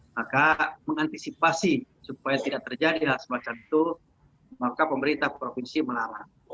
maka mengantisipasi supaya tidak terjadi hal semacam itu maka pemerintah provinsi melarang